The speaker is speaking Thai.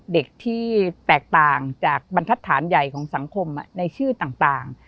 เด็กที่แตกต่างจากบรรทัศน์ใหญ่ของสังคมในชื่อต่าง